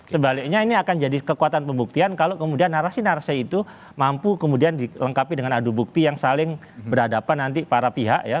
sebaliknya ini akan jadi kekuatan pembuktian kalau kemudian narasi narasi itu mampu kemudian dilengkapi dengan adu bukti yang saling berhadapan nanti para pihak ya